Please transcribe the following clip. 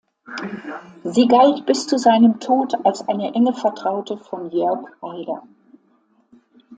Sie galt bis zu seinem Tod als eine enge Vertraute von Jörg Haider.